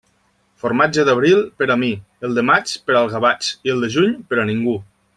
Formatge d'abril, per a mi; el de maig, per al gavatx, i el de juny, per a ningú.